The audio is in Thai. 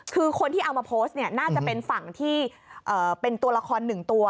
คือคนที่เอามาโพสต์เนี่ยน่าจะเป็นฝั่งที่เป็นตัวละครหนึ่งตัว